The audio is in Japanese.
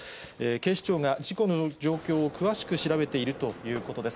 警視庁が事故の状況を詳しく調べているということです。